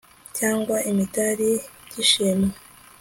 cyangwa imidari by'ishimwe